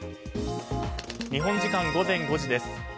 日本時間午前５時です。